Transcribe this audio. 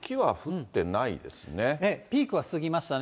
ピークは過ぎましたね。